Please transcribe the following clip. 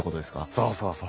そうそうそう。